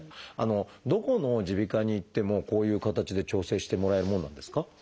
どこの耳鼻科に行ってもこういう形で調整してもらえるものなんですか？